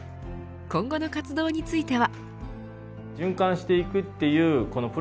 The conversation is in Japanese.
今後の活動については。